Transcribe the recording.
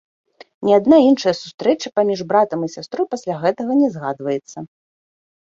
Ні адна іншая сустрэча паміж братам і сястрой пасля гэтага не згадваецца.